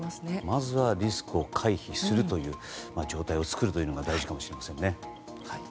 まずはリスクを回避する状態を作るのが大事かもしれませんね。